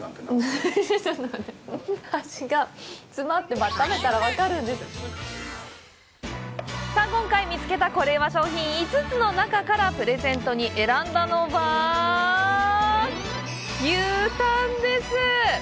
やっぱり炭火は今回見つけたコレうま商品５つの中からプレゼントに選んだのは牛タンです！